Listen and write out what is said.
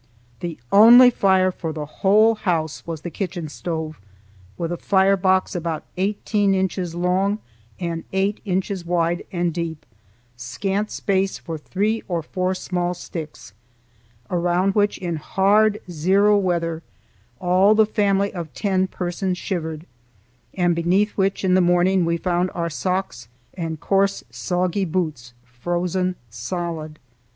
The only fire for the whole house was the kitchen stove, with a fire box about eighteen inches long and eight inches wide and deep,—scant space for three or four small sticks, around which in hard zero weather all the family of ten persons shivered, and beneath which in the morning we found our socks and coarse, soggy boots frozen solid.